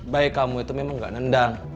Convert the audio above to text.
baik kamu itu memang gak nendang